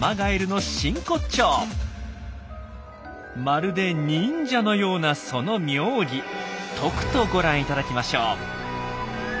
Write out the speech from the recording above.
まるで忍者のようなその妙技とくとご覧いただきましょう。